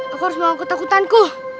aku harus menganggap ketakutanku